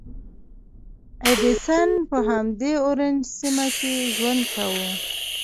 ایډېسن په همدې اورنج سیمه کې ژوند کاوه.